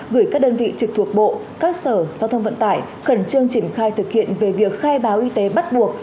gửi các đơn vị trực thuộc bộ các sở giao thông vận tải khẩn trương triển khai thực hiện về việc khai báo y tế bắt buộc